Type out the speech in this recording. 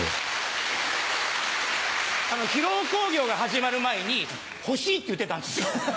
披露興行が始まる前に欲しいって言ってたんですよ。